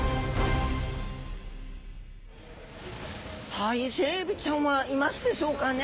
さあイセエビちゃんはいますでしょうかね？